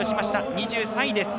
２３位です。